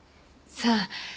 さあ？